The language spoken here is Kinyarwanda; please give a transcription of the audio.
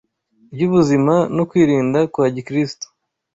ry’ubuzima no kwirinda kwa Gikristo